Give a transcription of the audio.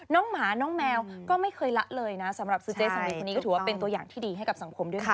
หมาน้องแมวก็ไม่เคยละเลยนะสำหรับซื้อเจ๊สามีคนนี้ก็ถือว่าเป็นตัวอย่างที่ดีให้กับสังคมด้วยนะ